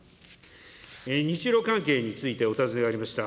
日ロ関係についてお尋ねがありました。